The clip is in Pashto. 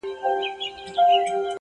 د زغم ځواک د شخصیت نښه ده’